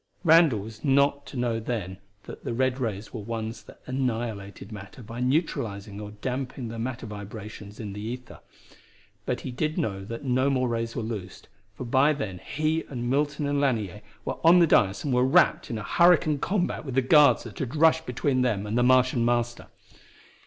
Randall was not to know then, that the red rays were ones that annihilated matter by neutralizing or damping the matter vibrations in the ether. But he did know that no more rays were loosed, for by then he and Milton and Lanier were on the dais and were wrapped in a hurricane combat with the guards that had rushed between them and the Martian Master.